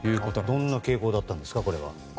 どんな傾向だったんですか？